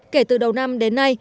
kể từ đầu năm đến nay